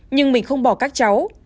nhưng mình không bỏ các cháu